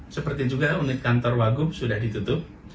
seperti juga unit kantor wagub sudah ditutup